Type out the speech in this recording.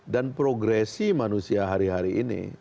dan progresi manusia hari hari ini